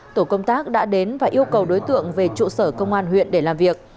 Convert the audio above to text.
tổ công tác đã đến và yêu cầu đối tượng về trụ sở công an huyện để làm việc